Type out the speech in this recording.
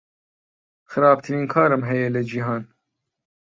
خراپترین کارم هەیە لە جیهان.